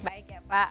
baik ya pak